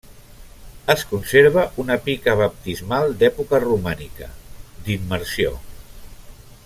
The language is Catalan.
Es conserva una pica baptismal d'època romànica, d'immersió.